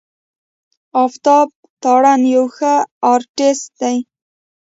آفتاب تارڼ يو ښه آرټسټ دی.